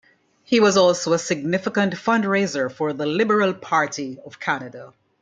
He was also a significant fundraiser for the Liberal Party of Canada.